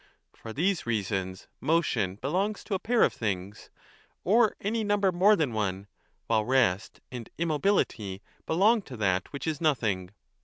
For these reasons motion belongs to a pair of things, or any number more than one, while rest and immobility belong to that which is nothing.